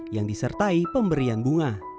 yang disertai pemberian bunga